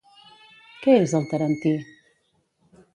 Què és el tarentí?